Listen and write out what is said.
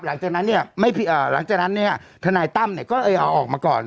หลังจากนั้นเนี่ยธนายตั้มเนี่ยก็เอาออกมาก่อน